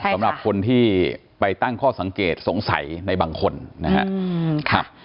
สำหรับคนที่ไปตั้งข้อสังเกตสงสัยในบางคนนะครับ